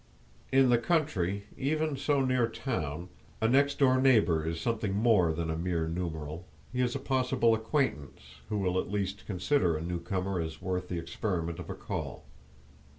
In the country, even so near town, a next door neighbor is something more than a mere numeral; he is a possible acquaintance, who will at least consider a new comer as worth the experiment of a call.